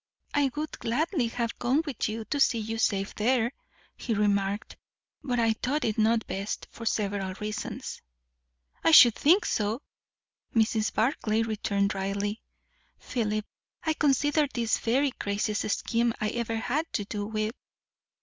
"I would gladly have gone with you, to see you safe there," he remarked; "but I thought it not best, for several reasons." "I should think so!" Mrs. Barclay returned dryly. "Philip, I consider this the very craziest scheme I ever had to do with!"